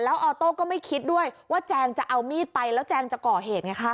ออโต้ก็ไม่คิดด้วยว่าแจงจะเอามีดไปแล้วแจงจะก่อเหตุไงคะ